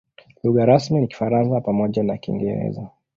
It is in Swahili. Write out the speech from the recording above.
Lugha rasmi ni Kifaransa pamoja na Kiingereza.